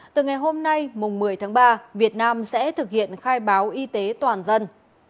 từ ngày hôm nay mùng một mươi tháng ba việt nam sẽ thực hiện khai báo y tế toàn dân